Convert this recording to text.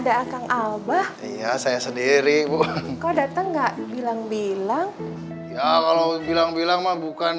ada akang albah iya saya sendiri bu kau datang gak bilang bilang ya kalau bilang bilang mah bukan